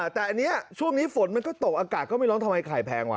แต่อันนี้ช่วงนี้ฝนมันก็ตกอากาศก็ไม่ร้อนทำไมไข่แพงว่